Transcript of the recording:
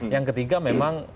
yang ketiga memang